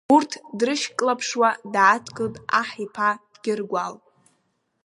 Урҭ дрышьклаԥшуа, дааҭгылт аҳ иԥа Гьыргәал.